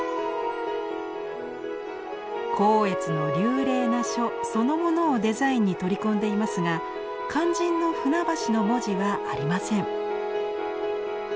光悦の流麗な書そのものをデザインに取り込んでいますが肝心の「舟橋」の文字はありません。